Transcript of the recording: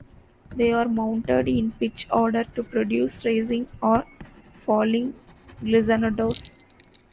They are mounted in pitch order to produce rising or falling glissandos.